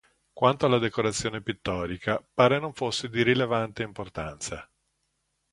Quanto alla decorazione pittorica pare non fosse di rilevante importanza.